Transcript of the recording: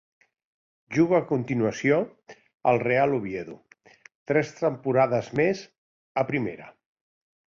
Jugà a continuació al Real Oviedo, tres temporades més a Primera.